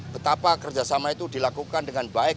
betapa kerjasama itu dilakukan dengan baik